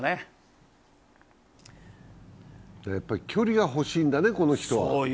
距離が欲しいんだね、この人は。